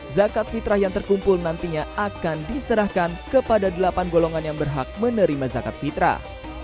zakat fitrah yang terkumpul nantinya akan diserahkan kepada delapan golongan yang berhak menerima zakat fitrah